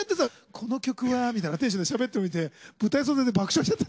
この曲はみたいなテンションでしゃべっておいて舞台袖で爆笑しちゃった。